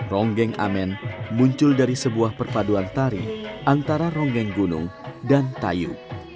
ronggeng amen muncul dari sebuah perpaduan tari antara ronggeng gunung dan tayu